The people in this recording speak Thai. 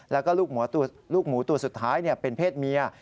แล้วก็ลูกหมูตัวสุดท้ายเป็นเพศเมีย